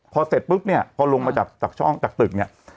พอเสร็จปุ๊บเนี่ยพอลงมาจากช่องจากตึกเนี่ย